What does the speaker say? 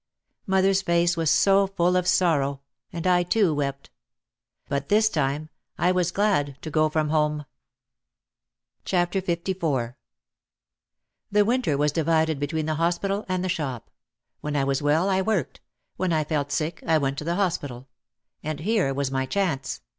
Mother's face was so full of sorrow and I too wept. But this time I was glad to go from home. 256 OUT OF THE SHADOW LIV The winter was divided between the hospital and the shop. When I was well I worked; when I felt sick I went to the hospital. And here was my chance.